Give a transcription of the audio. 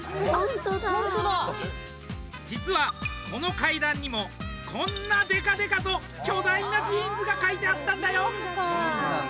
実はこの階段にもこんなでかでかと巨大なジーンズが描いてあったんだよ！